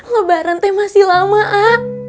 lebaran teh masih lama a